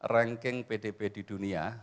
ranking pdb di dunia